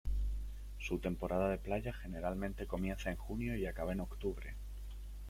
Su temporada de playa generalmente comienza en junio y acaba en octubre.